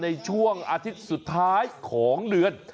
ในช่วงอาทิตย์สุดท้ายของเดือน